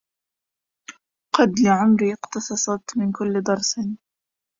قد لعمري اقتصصت من كل ضرس